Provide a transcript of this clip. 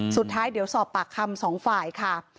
สุดท้ายเดี๋ยวสอบปากคำสองฝ่ายค่ะ